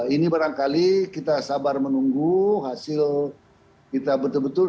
ini barangkali kita sabar menunggu hasil kita betul betul